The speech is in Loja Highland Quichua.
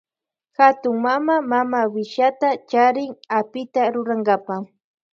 Hatun mama mamawishata charin apita rurankapa.